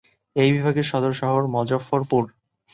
এই বিভাগের সদর শহর মজফফরপুর।